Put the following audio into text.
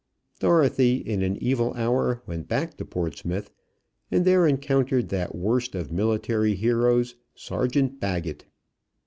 Dorothy in an evil hour went back to Portsmouth, and there encountered that worst of military heroes, Sergeant Baggett.